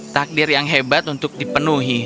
takdir yang hebat untuk dipenuhi